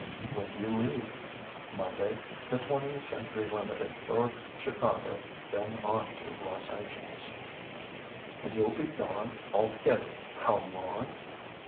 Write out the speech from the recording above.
"When do you leave?" "Monday the Twentieth Century Limited for Chicago then on to Los Angeles." "And you'll be gone, altogether, how long?"